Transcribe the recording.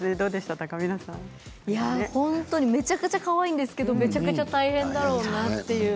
本当に、めちゃくちゃかわいいんですけれどもめちゃくちゃ大変だろうなって。